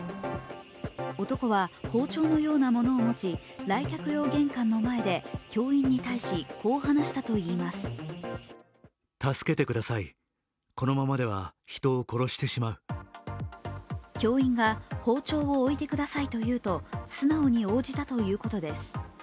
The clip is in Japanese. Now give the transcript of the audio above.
男は包丁のようなものを持ち来客用玄関の前で教員に対し、こう話したといいます教員が、包丁を置いてくださいと言うと、素直に応じたということです。